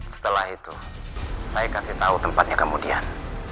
setelah itu saya kasih tahu tempatnya kemudian